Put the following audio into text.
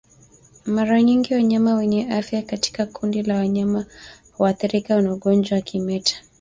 Mara nyingi wanyama wenye afya katika kundi la wanyama huathirika na ugonjwa wa kimeta